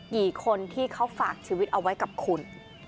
กี่คนที่เขาฝากชีวิตเอาไว้กับคุณ